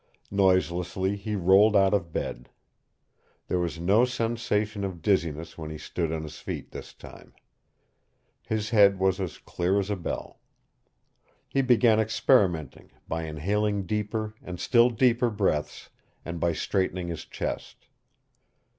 Noiselessly he rolled out of bed. There was no sensation of dizziness when he stood on his feet this time. His head was as clear as a bell. He began experimenting by inhaling deeper and still deeper breaths and by straightening his chest.